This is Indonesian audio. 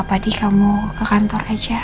em gak papa di kamu ke kantor aja